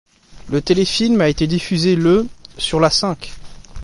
Le téléfilm a été diffusé le sur La Cinq.